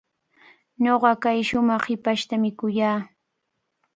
Ñuqa kay shumaq hipashtami kuyaa.